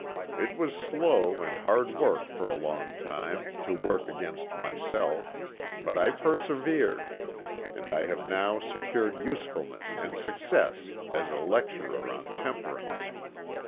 It was slow and hard work for a long time, to work against myself, but I persevered, and I have now secured usefulness and success as a lecturer on temperance.